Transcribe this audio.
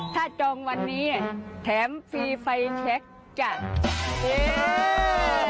ถ้าจมวันนี้แถมฟรีไฟเช็คจันทร์